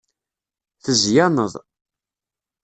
Tezyaneḍ.